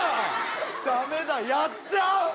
駄目だやっちゃう！